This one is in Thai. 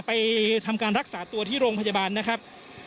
ไปทำการรักษาตัวที่โรงพยาบาลนะครับ